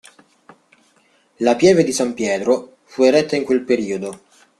La pieve di San Pietro fu eretta in quel periodo.